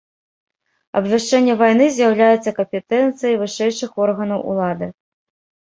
Абвяшчэнне вайны з'яўляецца кампетэнцыяй вышэйшых органаў улады.